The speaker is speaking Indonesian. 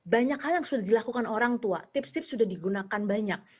banyak hal yang sudah dilakukan orang tua tips tips sudah digunakan banyak